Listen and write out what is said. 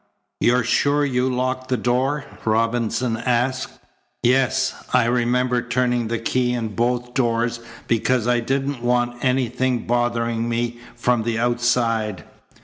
"You're sure you locked the door?" Robinson asked. "Yes. I remember turning the key in both doors, because I didn't want anything bothering me from outside."